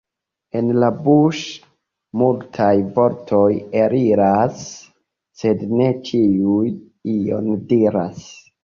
El la buŝ' multaj vortoj eliras, sed ne ĉiuj ion diras.